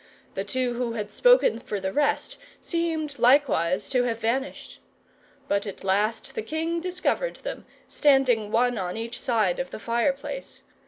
The two who had spoken for the rest seemed likewise to have vanished. But at last the king discovered them, standing one on each side of the fireplace.